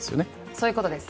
そういうことです。